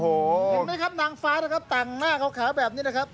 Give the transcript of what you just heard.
เห็นไหมครับนางฟ้านะครับแต่งหน้าขาวแบบนี้นะครับ